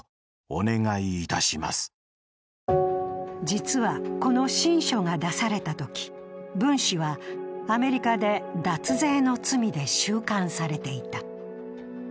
実は、この親書が出されたとき文氏はアメリカで脱税の罪で収監されていた。